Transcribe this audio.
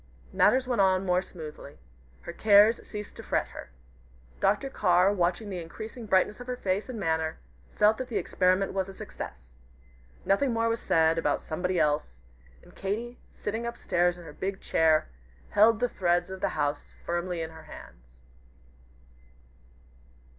Matters went on more smoothly. Her cares ceased to fret her. Dr. Carr watching the increasing brightness of her face and manner, felt that the experiment was a success. Nothing more was said about "somebody else," and Katy, sitting up stairs in her big chair, held the threads of the house firmly in her hands.